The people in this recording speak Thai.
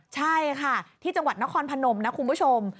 ใช่ค่ะที่จังหวัดนครพนมนะคุณผู้ชม